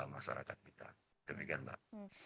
masyarakat kita demikian mbak